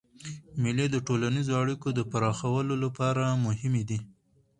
مېلې د ټولنیزو اړیکو د پراخولو له پاره مهمي دي.